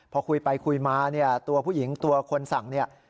พอคุยไปคุยมาเนี่ยตัวผู้หญิงตัวคนสั่งเนี่ย